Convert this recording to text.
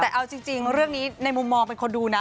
แต่เอาจริงเรื่องนี้ในมุมมองเป็นคนดูนะ